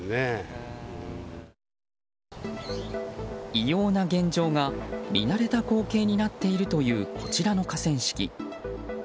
異様な現状が見慣れた光景になっているというこちらの河川敷。